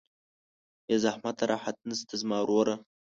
بې زحمته راحت نسته زما وروره